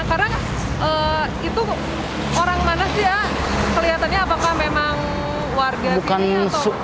karena itu orang mana sih ya kelihatannya apakah memang warga di sini atau nggak